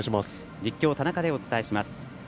実況、田中でお伝えします。